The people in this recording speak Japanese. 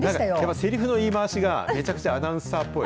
せりふの言い回しが、めちゃくちゃアナウンサーっぽい。